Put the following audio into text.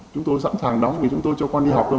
chúng tôi sẵn sàng đóng thì chúng tôi cho con đi học thôi mà